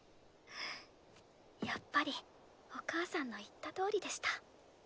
やっぱりお母さんの言ったとおりでした。